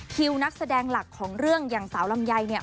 นักแสดงหลักของเรื่องอย่างสาวลำไยเนี่ย